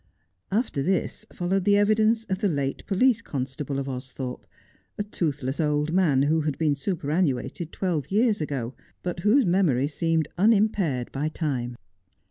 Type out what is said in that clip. After this followed the evidence of the late police constable of Austhorpe, a toothless old man who had been superannuated twelve years ago, but whose memory seemed unimpaired by time.